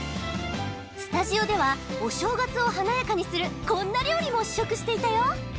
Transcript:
スタジオではお正月を華やかにするこんな料理も試食していたよ